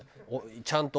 ちゃんと。